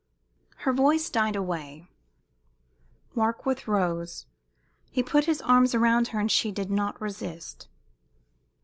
Her voice died away. Warkworth rose. He put his arms round her, and she did not resist.